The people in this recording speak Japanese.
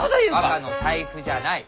「若の財布じゃない」。